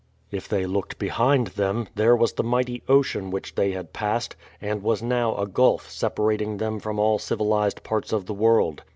If they looked behind them, there was the mighty ocean which they had passed, and was now a gulf separating them from all civilized parts of the world.